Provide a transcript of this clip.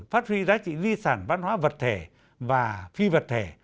phát huy giá trị di sản văn hóa vật thể và phi vật thể